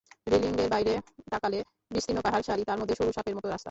রেলিঙের বাইরে তাকালে বিস্তীর্ণ পাহাড় সারি, তার মধ্যে সরু সাপের মতো রাস্তা।